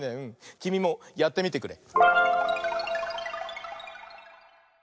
きみもやってみてくれ。